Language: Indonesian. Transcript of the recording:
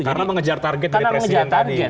karena mengejar target dari presiden tadi